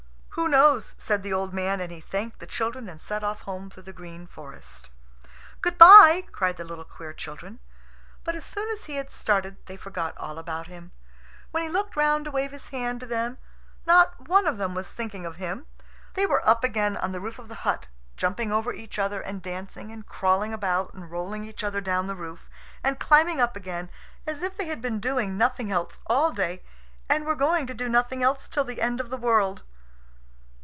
"Who knows?" said the old man; and he thanked the children, and set off home through the green forest. "Good bye," cried the little queer children. But as soon as he had started they forgot all about him. When he looked round to wave his hand to them, not one of them was thinking of him. They were up again on the roof of the hut, jumping over each other and dancing and crawling about, and rolling each other down the roof and climbing up again, as if they had been doing nothing else all day, and were going to do nothing else till the end of the world.